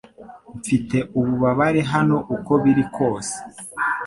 Mfite ububabare hano uko biri kose